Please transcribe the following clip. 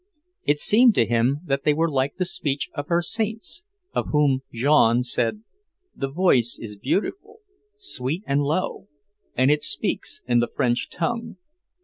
It seemed to him that they were like the speech of her saints, of whom Jeanne said, "the voice is beautiful, sweet and low, and it speaks in the French tongue."